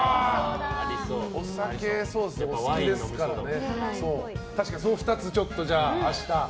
お酒、お好きですからね。